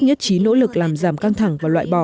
nhất trí nỗ lực làm giảm căng thẳng và loại bỏ